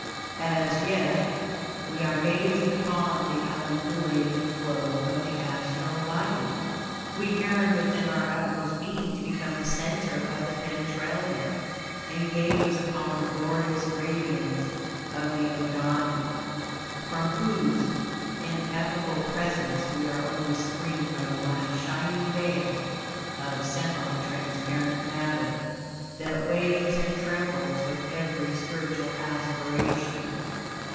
As yet, we are gazing upon the undulating flow of the astral light. We yearn within our utmost being to become the center of the Penetralia and gaze upon the glorious radiance of the Adonai, from whose ineffable presence we are only screened by the last shining veil of semi transparent matter, that waves and trembles with every spiritual aspiration.